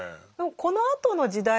このあとの時代